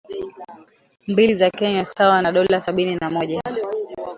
mbili za Kenya sawa na dola sabini na moja